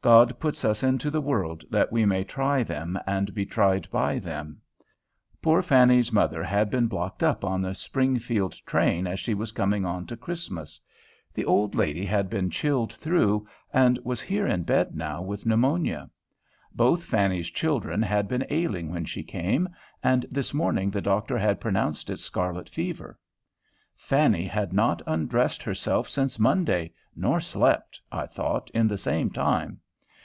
God puts us into the world that we may try them and be tried by them. Poor Fanny's mother had been blocked up on the Springfield train as she was coming on to Christmas. The old lady had been chilled through, and was here in bed now with pneumonia. Both Fanny's children had been ailing when she came, and this morning the doctor had pronounced it scarlet fever. Fanny had not undressed herself since Monday, nor slept, I thought, in the same time.